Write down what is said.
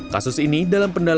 kasus ini dalam pendapatan